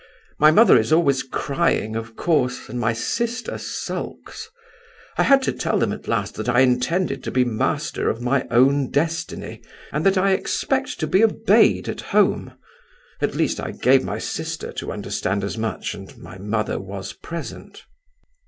My mother is always crying, of course, and my sister sulks. I had to tell them at last that I intended to be master of my own destiny, and that I expect to be obeyed at home. At least, I gave my sister to understand as much, and my mother was present."